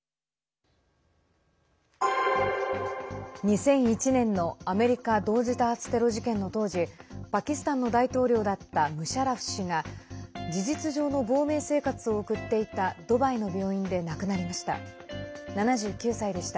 ２００１年のアメリカ同時多発テロ事件の当時パキスタンの大統領だったムシャラフ氏が事実上の亡命生活を送っていたドバイの病院で亡くなりました。